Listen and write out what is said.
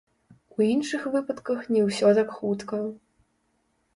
У іншых выпадках не ўсё так хутка.